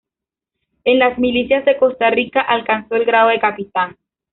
En las milicias de Costa Rica alcanzó el grado de capitán.